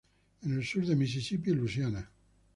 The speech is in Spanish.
En el sur del Misisipi y Louisiana.